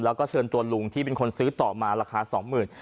แล้วก็เชิญตัวลุงที่เป็นคนซื้อต่อมาราคา๒๐๐๐บาท